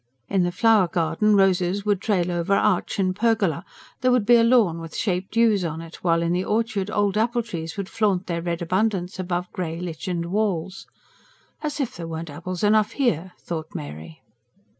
In the flower garden roses would trail over arch and pergola; there would be a lawn with shaped yews on it; while in the orchard old apple trees would flaunt their red abundance above grey, lichened walls. ("As if there weren't apples enough here!" thought Mary.)